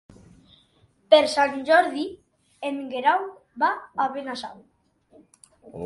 Per Sant Jordi en Guerau va a Benasau.